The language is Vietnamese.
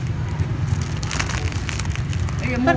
cùng một loại hết